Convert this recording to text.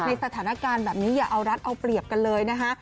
สถานการณ์แบบนี้อย่าเอารัฐเอาเปรียบกันเลยนะคะ